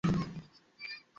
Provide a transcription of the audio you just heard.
Munusamy - জি?